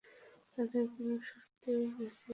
তাদের কোন স্বস্তি নসীব হবে না।